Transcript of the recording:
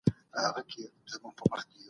سياسي شعور خپلو ماسومانو ته ور وښيئ.